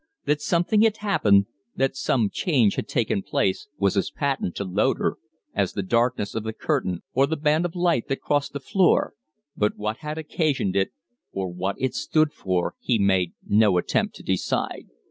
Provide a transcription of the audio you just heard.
That something had happened, that some change had taken place, was as patent to Loder as the darkness of the curtain or the band of light that crossed the floor, but what had occasioned it, or what it stood for, he made no attempt to decide.